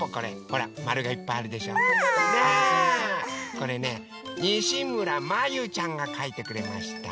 これねにしむらまゆちゃんがかいてくれました。